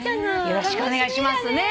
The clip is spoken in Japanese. よろしくお願いします。